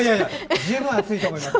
十分熱いと思います。